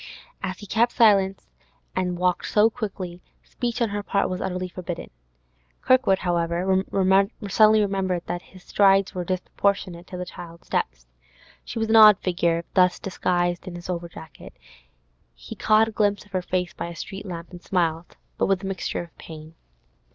As he kept silence and walked so quickly, speech on her part was utterly forbidden. Kirkwood, however, suddenly remembered that his strides were disproportionate to the child's steps. She was an odd figure thus disguised in his over jacket; he caught a glimpse of her face by a street lamp, and smiled, but with a mixture of pain.